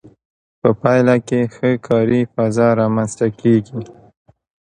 په پایله کې ښه کاري فضا رامنځته کیږي.